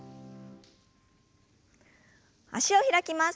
脚を開きます。